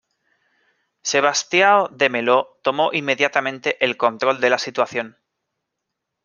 Sebastião de Melo tomó inmediatamente el control de la situación.